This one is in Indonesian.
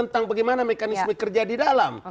tentang bagaimana mekanisme kerja di dalam